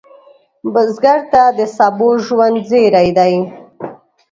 بزګر ته د سبو ژوند زېری دی